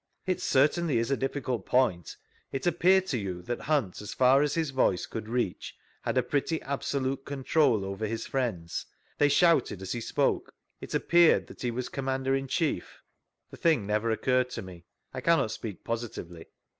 It certainly is a difficult point. It appeared to you that Hunt, as far as his vxHce could reach, had a pretty absolute control over his friends; they shouted as he spoke; it a^^ared that he was ■V Google STANLEY'S EVIDENCE 41 commander in chief ?— The thing nev«r occurred to me; I cannot speak positively.